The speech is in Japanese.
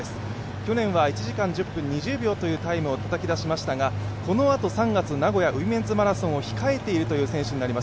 去年は１時間１０分２０秒というタイムをたたき出しましたが、このあと３月名古屋ウィメンズマラソンを控えている選手になります。